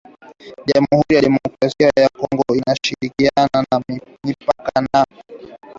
jamhuri ya Kidemokrasia ya Kongo inashirikiana mipaka na